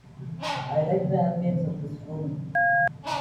I like the ambience of this room.